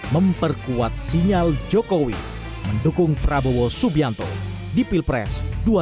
memperkuat sinyal jokowi mendukung prabowo subianto di pilpres dua ribu dua puluh empat